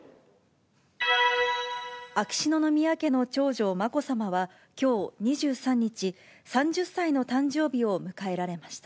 秋篠宮家の長女、まこさまは、きょう２３日、３０歳の誕生日を迎えられました。